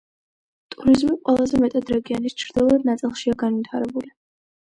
ტურიზმი ყველაზე მეტად რეგიონის ჩრდილოეთ ნაწილშია განვითარებული.